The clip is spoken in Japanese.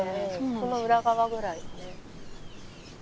その裏側ぐらい。